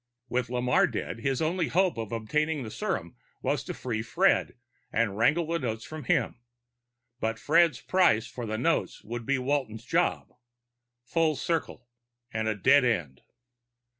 With Lamarre dead, his only hope of obtaining the serum was to free Fred and wangle the notes from him. But Fred's price for the notes would be Walton's job. Full circle, and a dead end.